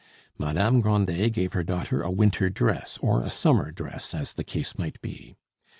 Madame Grandet gave her daughter a winter dress or a summer dress, as the case might be.